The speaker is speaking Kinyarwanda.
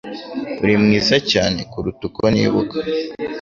Uri mwiza cyane kuruta uko nibuka